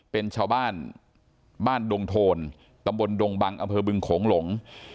เป็นชาวบ้านบ้านดงโทนตำบลดงบังอำเภอบึงโขงหลง